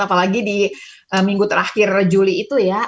apalagi di minggu terakhir juli itu ya